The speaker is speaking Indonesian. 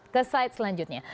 ke side selanjutnya